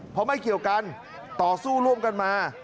เพราะไม่เกี่ยวกันต่อสู้ร่วมกันมา